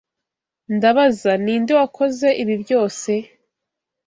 Ndabaza ninde wakoze ibi byose.